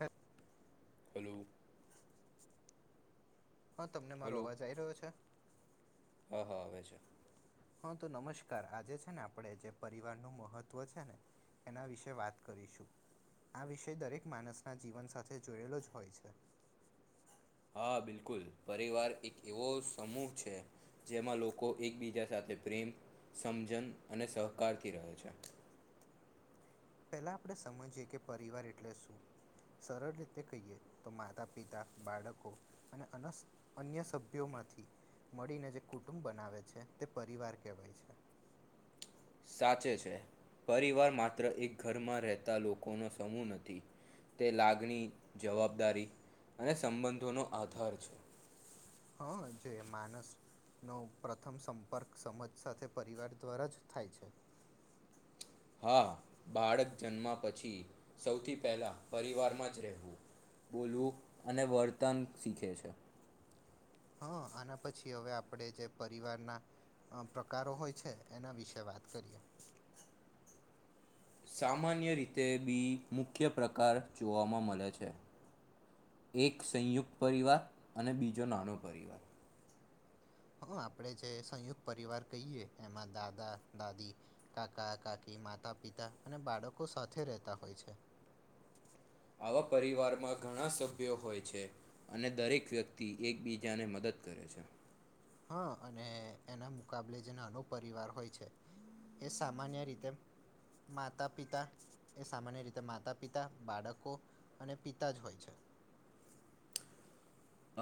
હ હલો. હા તમને મા ર હોવા જઈ રહ્યો છે. હ હા આવે છે. હા તો નમસ્કાર. આજે છે ને આપડે જે પરિવાર નું મહત્વ છે ને એના વિશે વાત કરીશું. આ વિષય દરેક માણસના જીવન સાથે જોયેલો જ હોય છે. હા બિલકુલ પરિવાર એક એવો સમૂહ છે. જેમાં લોકો એકબીજા સાથે પ્રેમ સમજન અને સહકારથી રહે છે. [unintelligible] પેલા આપણેે સમજીયે કે પરિવાર એટલે શું? સરળ રીતે કહીએ તો માતા પિતા બાળકો અને અન્ય સભ્યોમાં મળીને જે કુટુંબ બનાવે છે, તે પરિવાર કેહેવાય છે. સાચે છે પરિવાર માત્ર એક ઘરમાં રહેતા લોકોનો સમૂહ નથી. તે લાગણી જવાબદારી અને સંબંધોનો આધાર છે. હ જે માનસ નો પ્રથમ સંપર્ક સમજ સાથે પરિવાર દ્વારા જ થાય છે. હા બાળક જન્મ પછી સૌથી પહેલા પરિવારમાં જ રહેવું બોલવું અને વર્તન શીખે છે. હા આના પછી હવે આપણે જે પરિવારના અ પ્રકારો હોય છે એના વિશે વાત કરીએ. સામાન્ય રીતે બી મુખ્ય પ્રકાર જોવામાં મળે છે. એક સંયુક્ત પરિવાર અને બીજો નાનો પરિવાર. હા, આપડે જે સંયુક્ત પરિવાર કહીએ એમાં દાદા દાદી કાકા કાકી માતા પિતા અને બાળકો સાથે રહેતા હોય છે. આવા પરિવારમાં ઘણા સભ્યો હોય છે અને દરેક વ્યક્તિ એકબીજાને મદદ કરે છે. હા અને એના મુકાબલે જે નાનો પરિવાર હોય છે એ સામાન્ય રીતે માતા પિતા એ સામાન્ય રીતે માતા પિતા, બાળકો અને પિતા જ હોય છે. [unintelligible]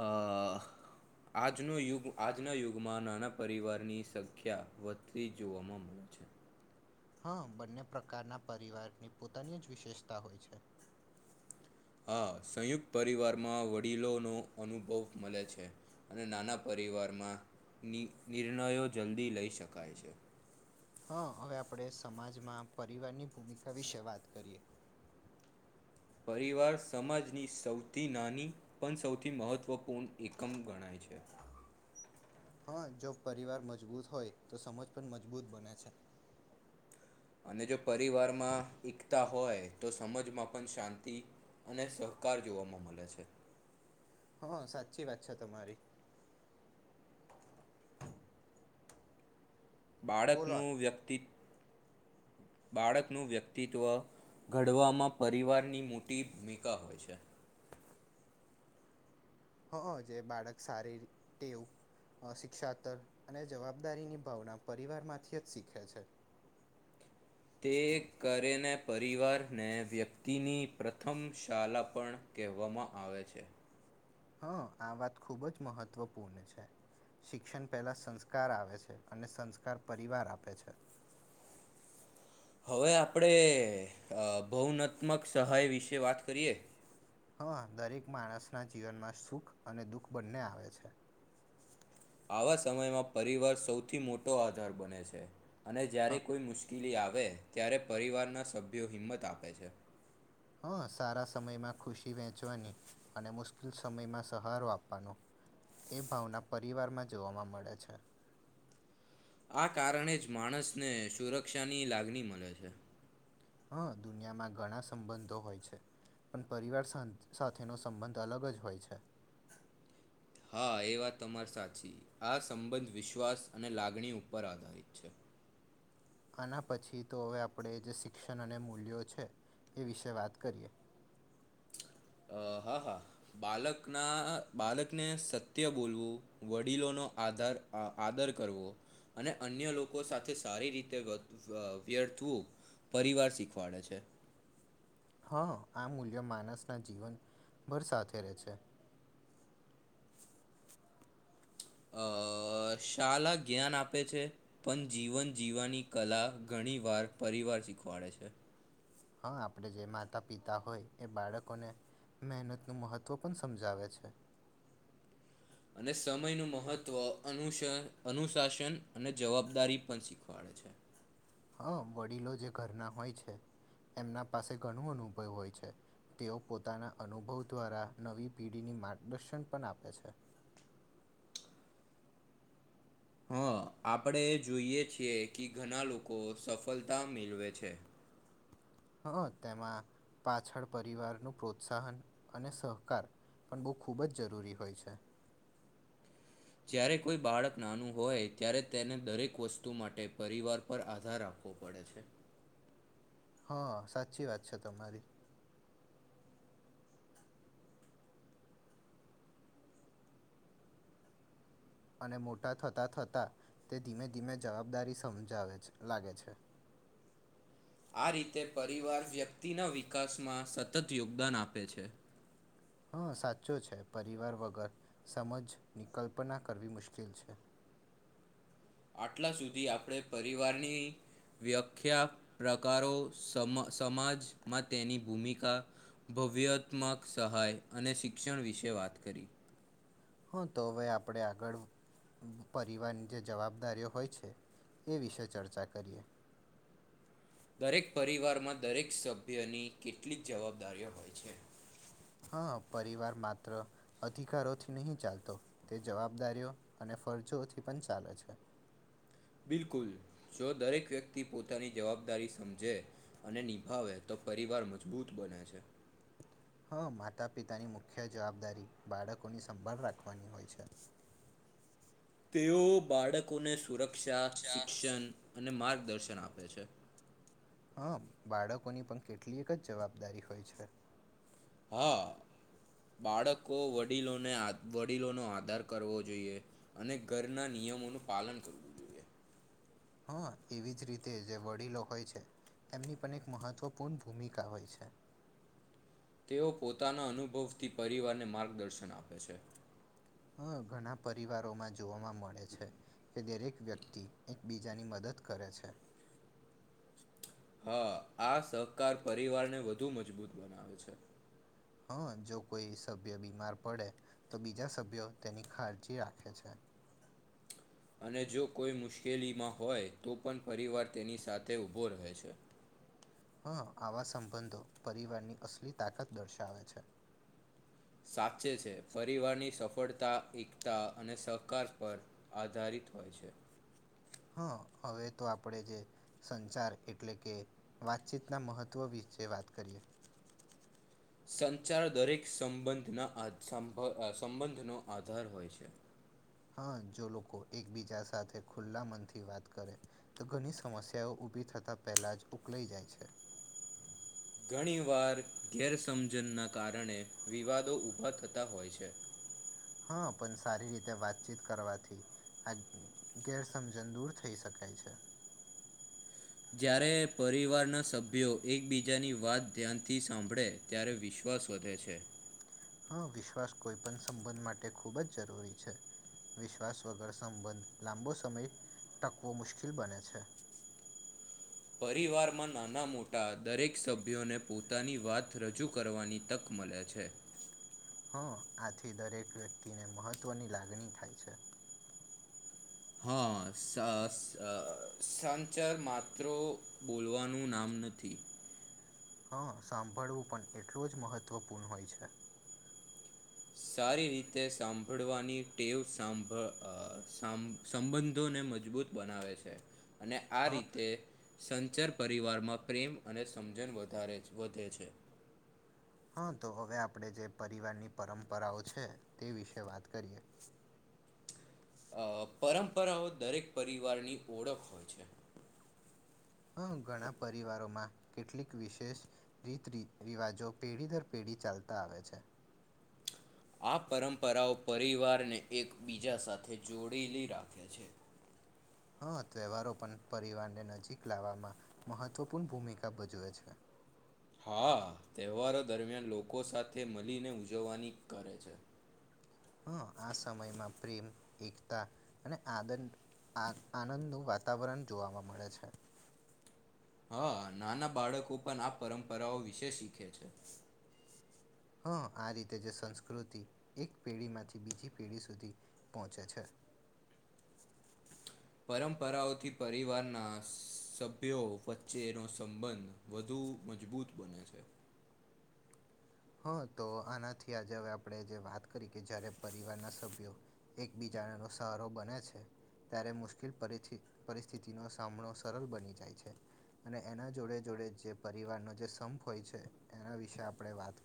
અ આજનો યુગ આજના યુગમાં નાના પરિવારની સંખ્યા વધતી જોવામાં છે [unintelligible] હા બંને પ્રકારના પરિવારની પોતાની જ વિશેષતા હોય છે હા સંયુક્ત પરિવારમાં વડીલોનો અનુભવ મળે છે અને નાના પરિવારમાં નિ નિર્ણયો જલ્દી લઈ શકાય છે હા હવે આપણે સમાજમાં પરિવારની ભૂમિકા વિશે વાત કરીએ [unintelligible] પરિવાર સમાજની સૌથી નાની પણ સૌથી મહત્વપૂર્ણ એકમ ગણાય છે પ્ છે હા જો પરિવાર મજબૂત હોય તો સમજ પણ મજબૂત બને છે અને જો પરિવારમાં એકતા હોય તો સમજમાં પણ શાંતિ અને સહકાર જોવામાં મળે છે હા સાચી વાત છે તમારી બોલો બાળકનું વ્યક્તિત્વ [unintelligible] બાળકનું વ્યક્તિત્વ ઘડવામાં પરિવારની મોટી ભૂમિકા હોય છે. હ જે બાળક સારી ટેવું શિક્ષાતર અને જવાબદારીની ભાવના પરિવારમાંથી જ શીખે છે તે કરીેને પરિવારને વ્યક્તિની પ્રથમ શાળા પણ કહેવામાં આવે છે હા આ વાત ખુબ જ મહત્વપૂર્ણ છે શિક્ષણ પહેલા સંસ્કાર આવે છે અને સંસ્કાર પરિવાર આપે છે હવે આપણેે ભવનાત્મક સહાય વિશે વાત કરીએ હા દરેક માણસના જીવનમાં સુખ અને દુઃખ બંને આવે છે આવા સમયમાં પરિવાર સૌથી મોટો આધાર બને છે અને જ્યારે હા કોઈ મુશ્કેલી આવે ત્યારે પરિવારના સભ્યો હિંમત આપે છે હ સારા સમયમાં ખુશી વેંચવાની અને મુશ્કેલ સમયમાં સહારો આપવાનો એ ભાવના પરિવારમાં જોવાવામાં મળે છે આ કારણે જ માણસને સુરક્ષાની લાગણી મળે છે હ દુનિયામાં ઘણા સંબંધો હોય છે પણ પરિવાર સાથેનો સંબંધ અલગ જ હોય છે હા એ વાત તમારે સાચી આ સંબંધ વિશ્વાસ અને લાગણી ઉપર આધારિત છે આના પછી તો હવે આપણે જે શિક્ષણ અને મૂલ્યો છે એ વિશે વાત કરીએ અ હા હા બાલકના બાળકને સત્ય બોલવું વડીલોનો ન આધ આદર કરવો અને અન્ય લોકો સાથે સારી રીતે વ્યર્થવું પરિવાર શીખવાડે છે [unintelligible] હ આ મૂલ્ય માનસ ના જીવનભર સાથે રહેે છે અ શાલાા જ્ઞાન આપે છે પણ જીવન જીવવાની કલા ઘણી વાર પરિવાર શીખવાડે છે હા આપણેે જે માતા પિતા હોય એ બાળકોને મહેનત નું મહત્વ પણ સમજાવે છે અને સમયનું મહત્વ અ અનુશાસન અને જવાબદારી પણ શીખવાડે છે હા વડીલો જે ઘરના હોય છે એમના પાસે ઘણું અનુભવ હોય છે તેઓ પોતાના અનુભવ દ્વારા નવી પેઢીની માર્ગદર્શન પણ આપે છે [unintelligible] હા આપણે જોઈએ છીએ કે ઘણા લોકો સફળતા મેળવે છે હ તેમાં પાછળ પરિવાર નું પ્રોત્સાહન અને સહકાર પણ બહુ ખૂબ જ જરૂરી હોય છે જ્યારે કોઈ બાળક નાનું હોય ત્યારે તેને દરેક વસ્તુ માટે પરિવાર પર આધાર આપો ઓખવો પડે છે હા સાચી વાત છે તમારી અને મોટા થતા થતા તે ધીમે ધીમે જવાબદારી સમજાવે લાગે છે [inaudible] આ રીતે પરિવાર વ્યક્તિના વિકાસમાં સતત યોગદાન આપે છે હા સાચો છે પરિવાર વગર સમજની કલ્પના કરવી મુશ્કેલ છે [inaudible] આટલા સુધી આપણે પરિવારની વ્યાખ્યા પ્રકારો સમાજમાં તેની ભૂમિકા ભવ્યહત્મક સહાય અને શિક્ષણ વિશે વાત કરી હા તો હવે આપણેે આગળ પરિવારની જે જવાબદારીઓ હોય છે એ વિશે ચર્ચા કરીએ [inaudible] દરેક પરિવારમાં દરેક સભ્યની કેટલીક જવાબદારીઓ હોય છે હા પરિવાર માત્ર અધિકારોથી નહી ચાલતો તે જવાબદારીઓ અને ફરજોથી પણ ચાલે છે બિલકુલ જો દરેક વ્યક્તિ પોતાની જવાબદારી સમજે અને નિભાવે તો પરિવાર મજબૂત બને છે [inaudible] હા માતાપિતાની મુખ્ય જવાબદારી બાળકોની સંભાળ રાખવાની હોય છે [inaudible] તેઓ બાળકોને સુરક્ષા શિક્ષણ અને માર્ગ દર્શન આપે છે હા બાળકોની પણ કેટલી એક જ જવાબદારી હોય છે હા બાળકો વડીલોને વડીલોનો આધાર કરવો જોઈએ અને ઘરના નિયમોનું પાલન કરવું જોઈએ હા એવી જ રીતે જે વડીલો હોય છે એમની પણ એક મહત્વપૂર્ણ ભૂમિકા હોય છે તેઓ પોતાના અનુભવથી પરિવારને માર્ગદર્શન આપે છે હ ઘણા પરિવારોમાં જોવાવામાં મળે છે કે દરેક વ્યક્તિ એકબીજાની મદદ કરે છે હા આ સહકાર પરિવારને વધુ મજબૂત બનાવે છે હા જો કોઈ સભ્ય બીમાર પડે તો બીજા સભ્યો તેની ખાળજી રાખે છે હ અને જો કોઈ મુશ્કેલીમાં હોય તો પણ પરિવાર તેની સાથે ઉઊભો રહે છે હ આવા સંબંધો પરિવારની અસલી તાકાત દર્શાવે છે સાચે છે પરિવારની સફળતા એકતા અને સહકાર પર આધારિત હોય છે [inaudible] હા હવે તો આપણેે જે સંચાર એટલે કે વાતચીતના મહત્વ વિશે તે વાત કરીએ સંચાર દરેક સંબંધના સંબંધનો આધાર હોય છે હા જો લોકો એકબીજા સાથે ખુલ્લા મન થી વાત કરે તો ઘણી સમસ્યાઓ ભી થતાં પહેલાં જ ઉકલાઈ જાય છે ઘણીવાર ગેરસમજણના કારણે વિવાદો ઉઊભા થતા હોય છે હા પણ સારી રીતે વાતચીત કરવાથી આ ગેરસમજણ દૂર થઈ શકે છે જ્યારે પરિવારના સભ્યો એકબીજાની વાત ધ્યાનથી સાંભળે ત્યારે વિશ્વ વસ વધે છે હા વિશ્વાસ કોઈ પણ સંબંધ માટે ખૂબ જ જરૂરી છે વિશ્વાસ વગર સંબંધ લાંબો સમય ટકવો મુશ્કેલ બને છે [inaudible] પરિવારમાં નાના મોટા દરેક સભ્યોને પોતાની વાત રજૂ કરવાની તક મલે છે [inaudible] હં આથી દરેક વ્યક્તિને મહત્ત્વની લાગણી થાય છે હા સા સ સંચર માત્ર બોલવાનું નામ નથી હં સાંભળવું પણ એટલું જ મહત્વપૂર્ણ હોય છે સારી રીતે સાંભળવાની ટેવ સાંભળ અ સંબ સંબંધો ને મજબૂત બનાવે છે અને આ હા રીતે સંચર પરિવારમાં પ્રેમ અને સમજણ વધારે વધે છે હા તો હવે આપણે જે પરિવારની પરંપરાઓ છે તે વિશે વાત કરીએ [inaudible] અ પરંપરાઓ દરેક પરિવારની ઓળખ હોય છે હ ઘણા પરિવારોમાં કેટલીક વિશેષ રીત રિવાજો પેઢી દર પેઢી બી ચાલતા આવે છે આ પરંપરાઓ પરિવારને એકબીજા સાથે જોડીલી રાખે છે હા તહેવારો પણ પરિવારને નજીક લાવવામાં મહત્વપૂર્ણ ભૂમિકા ભજવે છે હા તહેવારો દરમિયાન લોકો સાથે મળીને ઉજવવાની કરે છે હ આ સમયમાં પ્રેમ એકતા અને આદંદ આ આનંદનું વાતાવરણ જોવાવા મળે છે હા નાના બાળકો પણ આ પરંપરાઓ વિશે શીખે છે [inaudible] હા આ રીતે જે સંસ્કૃતિ એક પેઢી માંથી બીજી પેઢી સુધી પહોંચે છે [inaudible] પરંપરાઓથી પરિવારના સભ્યો વચ્ચેનો સંબંધ વધુ મજબૂત બને છે હા તો આનાથી આજે હવે આપણે જે વાત કરી કે જયારે પરિવારના સભ્યો એકબીજા ના સહારો બને છે ત્યારે મુશ્કેલ પર પરિસ્થિતિનો સામનો સરળ બની જાય છે અને એના જોડે જોડે જે પરિવારનો જે સંપ હોય છે એના વિશે આપણે વાત કરી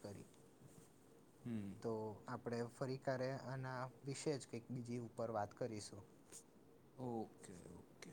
હમ તો આપડે ફરી ક્યારે આના વિશે જ કઈક બીજી ઉપર વાત કરીશું ઓકે ઓકે